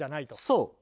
そう！